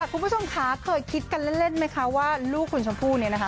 คุณผู้ชมคะเคยคิดกันเล่นไหมคะว่าลูกคุณชมพู่เนี่ยนะคะ